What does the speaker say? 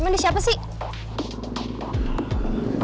emang dia siapa sih